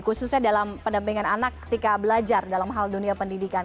khususnya dalam pendampingan anak ketika belajar dalam hal dunia pendidikan